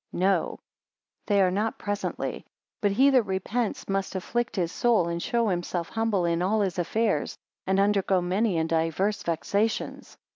10 No, they are not presently; but he that repents must afflict his soul and show himself humble in all his affairs, and undergo many and divers vexations.